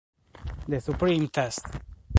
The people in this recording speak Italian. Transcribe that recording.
The Supreme Test